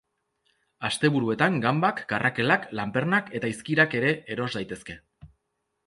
Asteburuetan ganbak, karrakelak, lanpernak eta izkirak ere eros daitezke.